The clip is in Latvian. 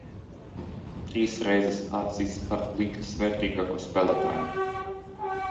Trīs reizes atzīts par līgas vērtīgāko spēlētāju.